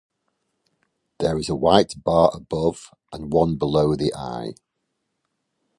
There is a white bar above and one below the eye.